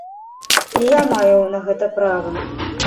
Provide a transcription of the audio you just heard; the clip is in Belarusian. І я маю на гэта права!